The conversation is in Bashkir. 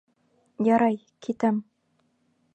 Ярай, китәм.